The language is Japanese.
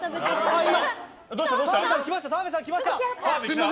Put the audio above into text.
今、澤部さんが来ました！